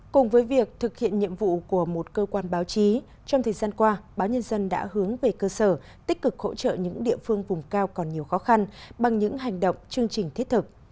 cùng với việc thực hiện nhiệm vụ của một cơ quan báo chí trong thời gian qua báo nhân dân đã hướng về cơ sở tích cực hỗ trợ những địa phương vùng cao còn nhiều khó khăn bằng những hành động chương trình thiết thực